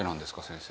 先生。